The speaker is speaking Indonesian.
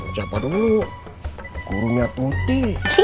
ucapa dulu gurunya tuti